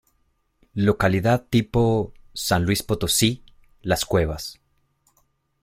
Localidad tipo: San Luis Potosí: Las Cuevas.